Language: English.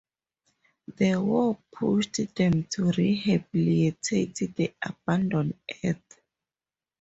The war pushed them to rehabilitate the abandoned Earth.